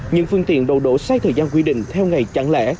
những phương tiện đổ đổ sai thời gian quy định theo ngày chẳng lẽ